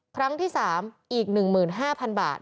ครั้งที่๓อีก๑๕๐๐๐บาท